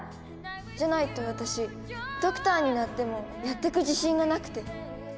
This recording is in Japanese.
じゃないと私ドクターになってもやってく自信がなくて。